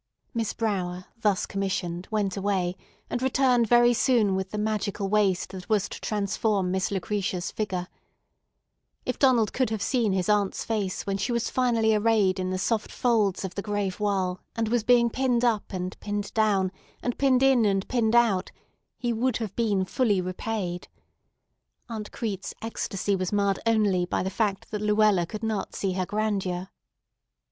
Miss Brower, thus commissioned, went away, and returned very soon with the magical waist that was to transform Miss Lucretia's "figger." If Donald could have seen his aunt's face when she was finally arrayed in the soft folds of the gray voile and was being pinned up and pinned down and pinned in and pinned out, he would have been fully repaid. Aunt Crete's ecstasy was marred only by the fact that Luella could not see her grandeur.